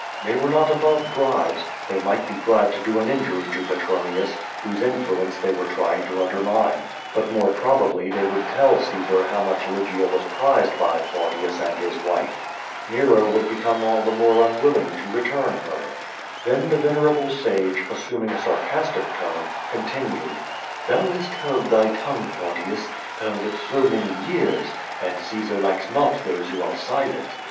They were not above bribes, they might be glad to do an injury to Petronius, whose influence tlicy were trying to undermine. lUit more probably they would tell (*aesar how much Lygia was prized by Plautius and his wife. Nero would become all the more unwilling to re turn her. Then the venerable sago, assuming a sarcastic tone, con tinued: "Thou hast held thy tongue, Plautius, held it so many years, and Caesar likes not those who are silent.